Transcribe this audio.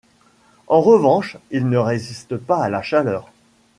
En revanche, il ne résiste pas à la chaleur.